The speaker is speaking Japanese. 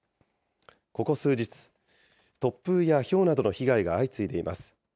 ここ数日、突風やひょうなどの被害が相次いでいます。